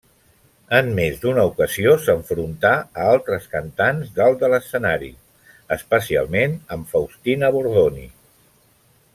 En més d'una ocasió s'enfrontà a altres cantants dalt de l'escenari, especialment amb Faustina Bordoni.